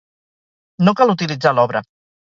No cal utilitzar l'obra.